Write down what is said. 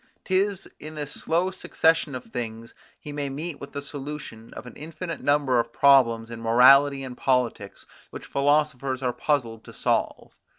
'Tis in this slow succession of things he may meet with the solution of an infinite number of problems in morality and politics, which philosophers are puzzled to solve.